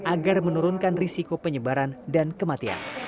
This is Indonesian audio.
agar menurunkan risiko penyebaran dan kematian